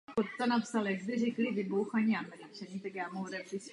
Lyžování a horolezectví.